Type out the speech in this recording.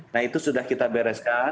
nah itu sudah kita bereskan